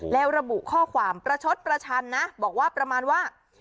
แล้วระบุข้อความประชดประชันนะบอกว่าประมาณว่า